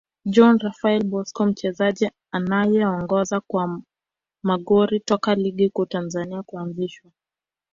John Raphael Bocco Mchezaji anayeongoza kwa magori toka ligi kuu Tanzania kuanzishwa